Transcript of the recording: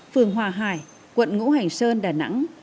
phường hòa hải quận ngũ hành sơn đà nẵng